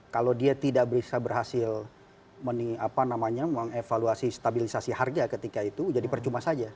kalau dia tidak bisa berhasil mengevaluasi stabilisasi harga ketika itu jadi percuma saja